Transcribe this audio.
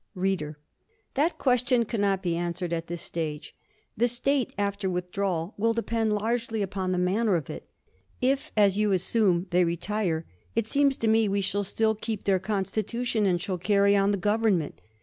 READER: That question cannot be answered at this stage. The state after withdrawal will depend largely upon the manner of it. If, as you assume, they retire, it seems to me we shall still keep their constitution, and shall carry on the government.